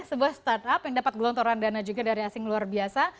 sebuah startup yang dapat gelontoran dana juga dari asing luar biasa